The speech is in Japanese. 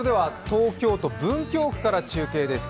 東京都文京区から中継です。